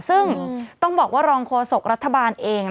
ซึ่งต้องบอกว่ารองโฆษกรัฐบาลเอง